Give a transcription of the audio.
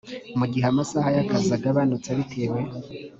mu gihe amasaha y akazi agabanutse bitewe